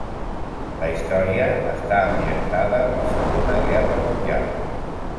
La història està ambientada en la Segona Guerra Mundial.